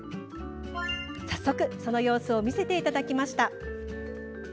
早速、その様子を見せていただきました。